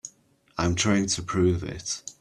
I'm trying to prove it.